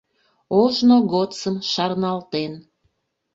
Ожно годсым шарналтен